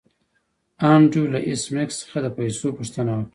انډریو له ایس میکس څخه د پیسو پوښتنه وکړه